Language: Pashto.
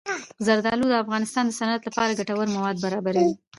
زردالو د افغانستان د صنعت لپاره ګټور مواد برابروي.